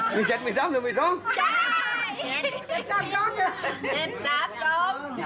มีเจ็ดมีซ้ำหรือมีซ้ำ